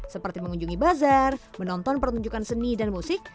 seperti mengunjungi bazar menonton pertunjukan seni dan musik